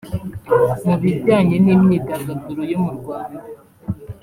Mu bijyanye n’imyidagaduro yo mu Rwanda